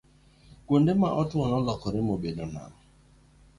kuonde ma otwo nolokore mobedo nam